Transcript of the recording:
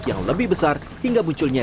yang lebih besar hingga munculnya